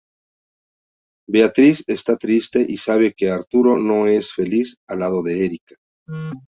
Beatriz está triste y sabe que Arturo no es feliz al lado de Erika.